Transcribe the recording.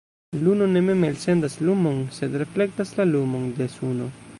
Luno ne mem elsendas lumon, sed reflektas la lumon de Suno.